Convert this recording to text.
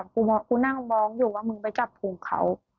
มึงกูนั่งว้องอยู่ว่ามึงไปจับพุงเขา